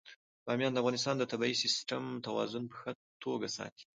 بامیان د افغانستان د طبعي سیسټم توازن په ښه توګه ساتي.